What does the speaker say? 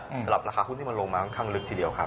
สำหรับราคาหุ้นที่มันลงมาค่อนข้างลึกทีเดียวครับ